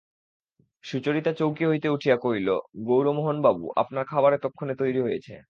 সুচরিতা চৌকি হইতে উঠিয়া কহিল, গৌরমোহনবাবু, আপনার খাবার এতক্ষণে তৈরি হয়েছে।